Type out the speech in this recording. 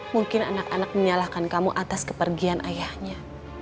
mungkin anak anak menyalahkan kamu atas kepergian ayahnya